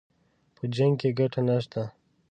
په جـنګ كښې ګټه نشته